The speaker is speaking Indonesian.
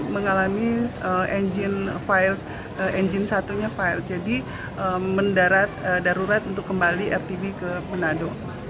mengalami engine file engine satunya file jadi mendarat darurat untuk kembali rtb ke manado